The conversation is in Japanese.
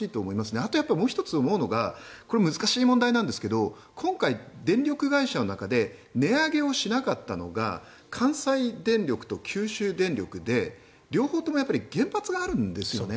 あともう１つ思うのがこれは難しいんですけど今回、電力会社の中で値上げをしなかったのが関西電力と九州電力で両方とも原発があるんですよね。